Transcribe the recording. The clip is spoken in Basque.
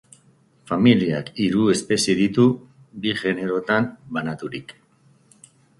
Familiak hiru espezie ditu, bi generotan banaturik.